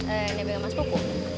eh nih sama mas pupu